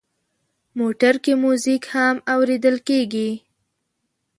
موټر کې میوزیک هم اورېدل کېږي.